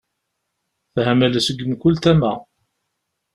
Tehmel seg mkul tama.